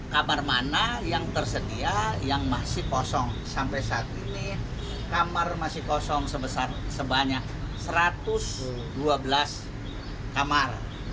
kamar mana yang tersedia yang masih kosong sampai saat ini kamar masih kosong sebanyak satu ratus dua belas kamar